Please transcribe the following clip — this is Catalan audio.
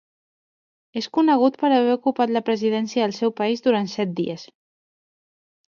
És conegut per haver ocupat la presidència del seu país durant set dies.